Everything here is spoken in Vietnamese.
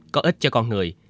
có ích cho con người